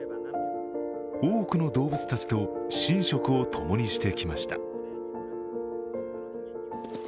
多くの動物たちと寝食を共にしてきました。